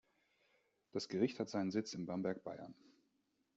Das Gericht hat seinen Sitz in Bamberg, Bayern.